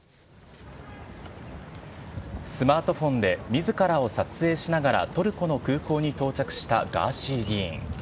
スマートフォンでみずからを撮影しながら、トルコの空港に到着したガーシー議員。